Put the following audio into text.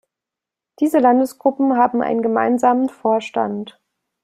Diese Landesgruppen haben einen gemeinsamen Vorstand.